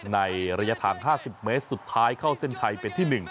ในระยะทาง๕๐เมตรสุดท้ายเข้าเส้นชัยเป็นที่๑